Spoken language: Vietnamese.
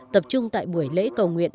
tập trung tại buổi lễ cầu nguyện